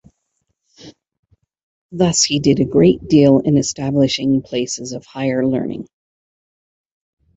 Thus he did a great deal in establishing places of higher learning.